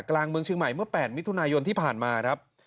กลางเมืองเชียงใหม่เมื่อ๘มิถุนายนที่ผ่านมาครับ